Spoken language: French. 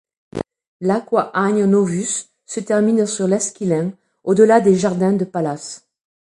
L'Aqua Anio Novus se termine sur l'Esquilin, au-delà des Jardins de Pallas.